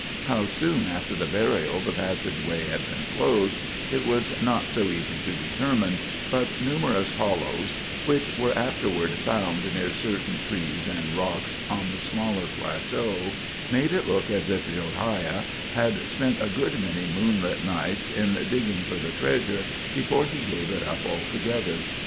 How soon after the burial the passageway had been closed, it was not so easy to determine, but numerous hollows which were afterward found near certain trees and rocks on the smaller plateau made it look as if Josiah had spent a good many moonlight nights in digging for the treasure before he gave it up altogether.